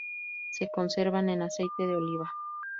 Se conservan en aceite de oliva.